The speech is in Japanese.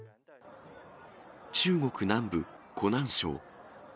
中国南部湖南省。